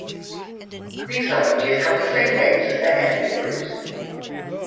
These languages have the same names as their ethnic groups.